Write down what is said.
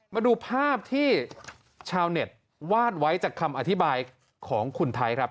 มาดูภาพที่ชาวเน็ตวาดไว้จากคำอธิบายของคุณไทยครับ